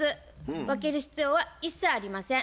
分ける必要は一切ありません。